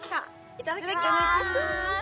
いただきまーす！